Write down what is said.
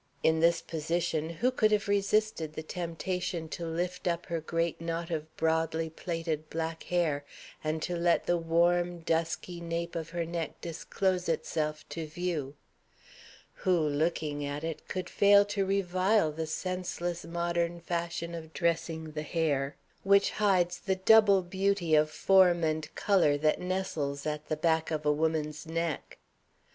In this position who could have resisted the temptation to lift up her great knot of broadly plaited black hair, and to let the warm, dusky nape of her neck disclose itself to view? Who, looking at it, could fail to revile the senseless modern fashion of dressing the hair, which hides the double beauty of form and color that nestles at the back of a woman's neck?